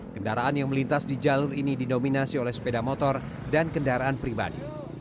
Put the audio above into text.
kendaraan yang melintas di jalur ini didominasi oleh sepeda motor dan kendaraan pribadi